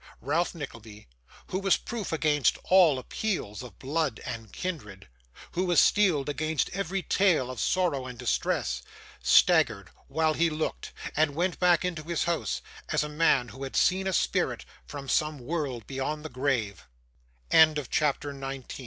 Ralph Nickleby, who was proof against all appeals of blood and kindred who was steeled against every tale of sorrow and distress staggered while he looked, and went back into his house, as a man who had seen a spirit from some world beyon